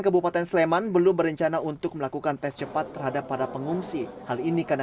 kabupaten sleman belum berencana untuk melakukan tes cepat terhadap para pengungsi hal ini karena